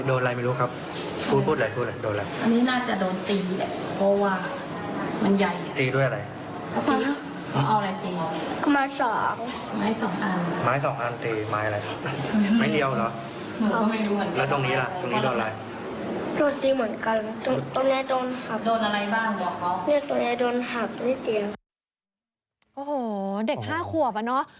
โอ้โหเด็ก๕ขวบอะเนาะ